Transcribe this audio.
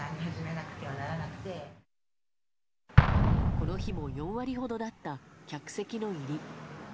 この日も４割ほどだった客席の入り。